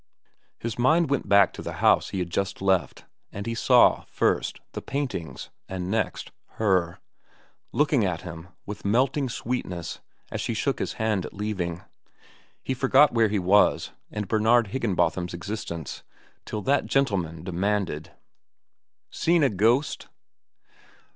His mind went back to the house he had just left, and he saw, first, the paintings, and next, Her, looking at him with melting sweetness as she shook his hand at leaving. He forgot where he was and Bernard Higginbotham's existence, till that gentleman demanded: "Seen a ghost?"